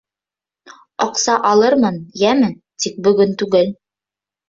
— Аҡса алырмын, йәме, тик бөгөн түгел.